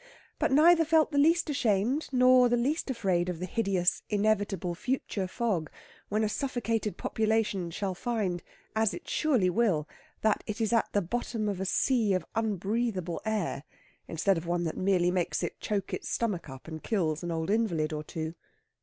But neither felt the least ashamed, nor the least afraid of the hideous, inevitable future fog, when a suffocated population shall find, as it surely will, that it is at the bottom of a sea of unbreathable air, instead of one that merely makes it choke its stomach up and kills an old invalid or two.